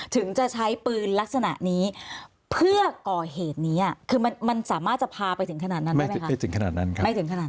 ถึงจะใช้ปืนลักษณะนี้เพื่อก่อเหตุนี้คือมันสามารถจะพาไปถึงขนาดนั้นได้ไหมคะ